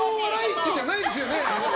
市じゃないですよね。